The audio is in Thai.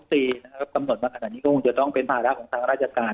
พรรดิมาที่นี้อาจจะต้องเป็นภาระของทางราชกาล